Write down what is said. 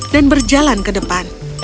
dan berjalan ke depan